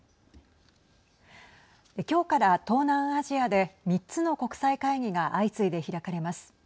今日から東南アジアで３つの国際会議が相次いで開かれます。